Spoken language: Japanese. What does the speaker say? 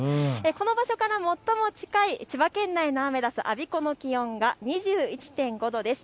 この場所から最も近い千葉県内のアメダス、我孫子の気温が２１．５度です。